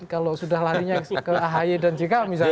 kalau sudah larinya ke ahy dan jk misalnya